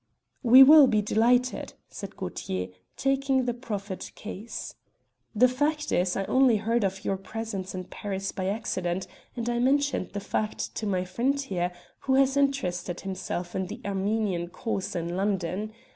"We will be delighted," said Gaultier, taking the proffered case. "The fact is, I only heard of your presence in Paris by accident, and I mentioned the fact to my friend here, who has interested himself in the Armenian cause in London.